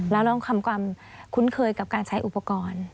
แล้วเราต้องทำความคุ้นเคยกับการใช้อุปกรณ์